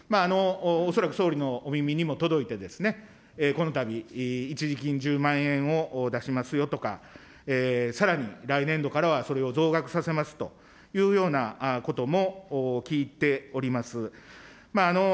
恐らく総理のお耳にも届いて、このたび、一時金１０万円を出しますよとか、さらに来年度からはそれを増額させますというようなことも聞いております。